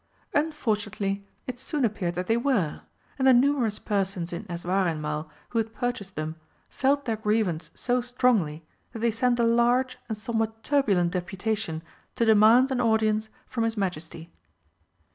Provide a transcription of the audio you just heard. Unfortunately it soon appeared that they were, and the numerous persons in Eswareinmal who had purchased them felt their grievance so strongly that they sent a large and somewhat turbulent deputation to demand an audience from His Majesty.